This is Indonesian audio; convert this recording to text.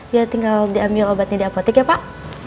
ya tinggal diambil obatnya di apotik ya pak